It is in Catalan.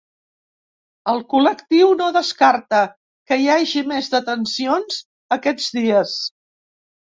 El col·lectiu no descarta que hi hagi més detencions aquests dies.